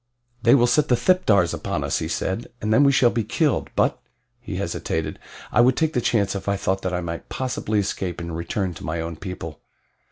"They will set the thipdars upon us," he said, "and then we shall be killed; but " he hesitated "I would take the chance if I thought that I might possibly escape and return to my own people."